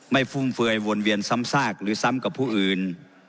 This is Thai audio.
ฟุ่มเฟือยวนเวียนซ้ำซากหรือซ้ำกับผู้อื่น